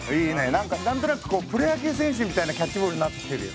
何か何となくプロ野球選手みたいなキャッチボールになってきてるよ。